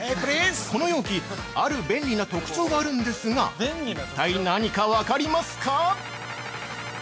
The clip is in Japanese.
この容器、ある便利な特徴があるんですが、一体何か分かりますか？